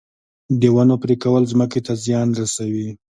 د ونو پرې کول ځمکې ته زیان رسوي